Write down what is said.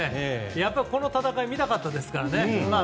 やっぱり、この戦いを見たかったですからね。